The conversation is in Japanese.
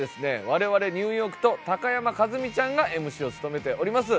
我々ニューヨークと高山一実ちゃんがＭＣを務めております